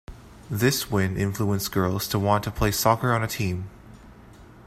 This win influenced girls to want to play soccer on a team.